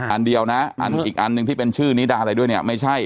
อันเดียวนะอีกอันหนึ่งที่เป็นชื่อนิดาอะไรด้วยเนี่ยไม่ใช่